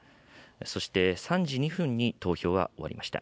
そして３時２分に投票は終わりました。